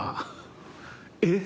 えっ？